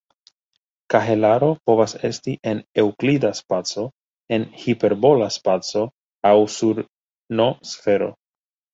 Kahelaro povas esti en eŭklida spaco, en hiperbola spaco aŭ sur "n"-sfero.